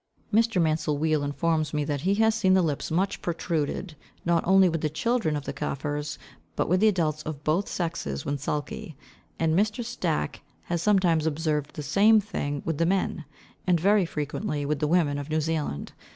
Mr. Mansel Weale informs me that he has seen the lips much protruded, not only with the children of the Kafirs, but with the adults of both sexes when sulky; and Mr. Stack has sometimes observed the same thing with the men, and very frequently with the women of New Zealand.